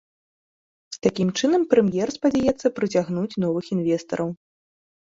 Такім чынам прэм'ер спадзяецца прыцягнуць новых інвестараў.